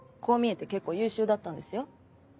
こう見えて結構優秀だったんですよ。